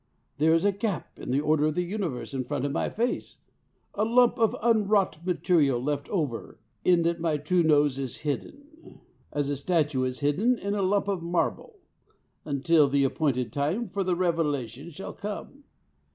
There is a gap in the order of the universe in front of my face, a lump of unwrought material left over. In that my true nose is hidden, as a statue is hidden in a lump of marble, until the appointed time for the revelation shall come.